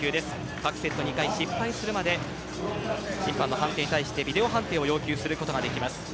各セット２回失敗するまで審判の判定に対してビデオ判定をチャレンジすることができます。